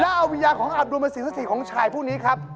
แล้วเอาวิญญาณของอับดุมสินสถิติของชายผู้นี้ครับ